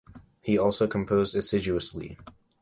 He also composed assiduously.